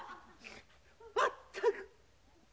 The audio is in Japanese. まったく。